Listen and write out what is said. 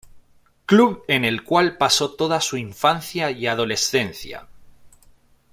Club en el cual pasó toda su infancia y adolescencia.